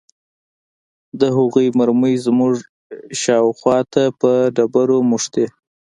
د هغوى مرمۍ زموږ شاوخوا ته پر ډبرو مښتې.